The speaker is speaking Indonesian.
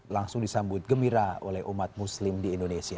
langsung disambut gembira oleh umat muslim di indonesia